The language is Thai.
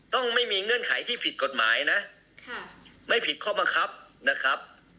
ต้องไม่มีเงื่อนไขที่ผิดกฎหมายนะไม่ผิดข้อบังคับนะครับ